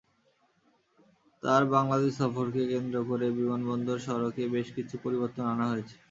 তাঁর বাংলাদেশ সফরকে কেন্দ্র করে বিমানবন্দর সড়কে বেশ কিছু পরিবর্তন আনা হয়েছে।